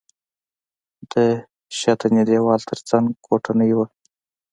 د شاتني دېوال تر څنګ کوټنۍ وه.